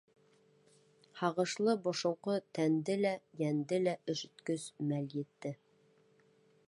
Һағышлы, бошонҡо, тәнде лә, йәнде лә өшөткөс мәл етте.